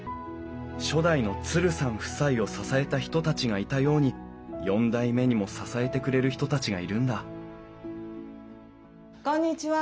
初代のツルさん夫妻を支えた人たちがいたように４代目にも支えてくれる人たちがいるんだこんにちは。